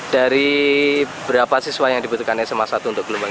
dari berapa siswa yang dibutuhkan sma satu untuk gelombang tiga